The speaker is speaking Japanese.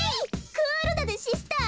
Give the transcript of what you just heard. クールだぜシスター！